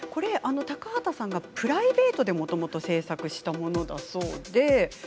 高畑さんがプライベートでもともと制作したものだそうで。